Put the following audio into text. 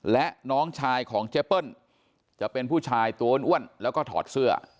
และน้องชายของเจเปิ้ลจะเป็นผู้ชายตัวอ้วนแล้วก็ถอดเสื้อ